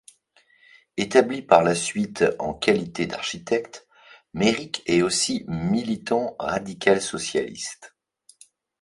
Établi par la suite en qualité d'architecte, Méric est aussi militant radical-socialiste.